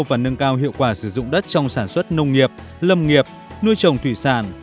và nâng cao hiệu quả sử dụng đất trong sản xuất nông nghiệp lâm nghiệp nuôi trồng thủy sản